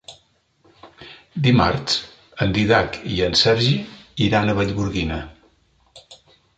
Dimarts en Dídac i en Sergi iran a Vallgorguina.